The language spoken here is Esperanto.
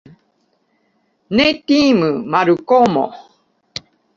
Ne timu, Malkomo.